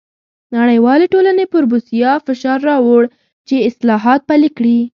نړیوالې ټولنې پر بوسیا فشار راووړ چې اصلاحات پلي کړي.